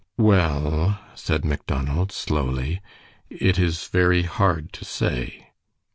"Well," said Macdonald, slowly, "it is very hard to say."